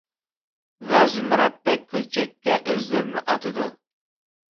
ۋە زۇمرەتتەك كۆلچەككە ئۆزلىرىنى ئاتىدۇ.